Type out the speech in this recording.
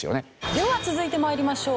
では続いてまいりましょう。